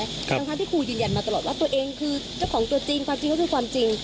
ทั้งที่ครูยืนยันมาตลอดว่าตัวเองคือเจ้าของตัวจริงความจริงก็คือความจริง